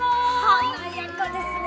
華やかですね。